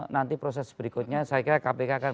nanti proses berikutnya saya kira kpk akan